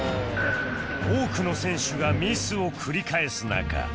多くの選手がミスを繰り返す中